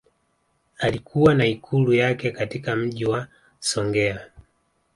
Alikuwa na Ikulu yake katika Mji wa Songea